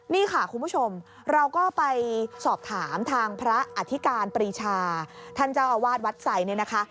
นี่ค่ะคุณผู้ชมเราก็ไปสอบถามทางพระอธิการปรีชาท่านเจ้าอาวาสวัดไสเนี่ยนะคะ